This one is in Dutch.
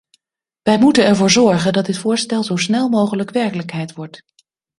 Wij moeten ervoor zorgen dat dit voorstel zo snel mogelijk werkelijkheid wordt.